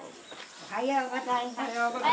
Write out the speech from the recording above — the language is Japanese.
おはようございます。